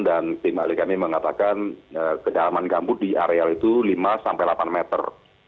dan tim balik kami mengatakan kedalaman gambut di areal itu lima sampai delapan meter